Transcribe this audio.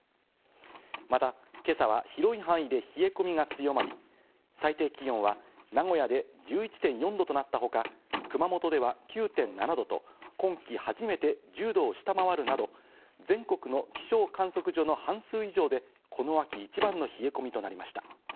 また、今朝は広い範囲で冷え込みが強まり、最低気温は名古屋で１１．４度となったほか、熊本では９．７度と今季初めて１０度を下回るなど全国の気象観測所の半数以上でこの秋一番の冷え込みとなりました。